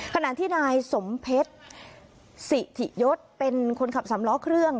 ขณะที่นายสมเพชรสิถิยศเป็นคนขับสามล้อเครื่อง